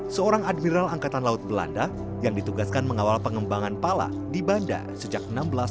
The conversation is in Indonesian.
seorang adminal angkatan laut belanda yang ditugaskan mengawal pengembangan pala di banda sejak seribu enam ratus sembilan puluh